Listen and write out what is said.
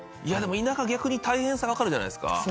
いやでも田舎逆に大変さわかるじゃないですか。